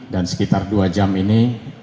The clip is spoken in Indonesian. dan sekitar dua jam ini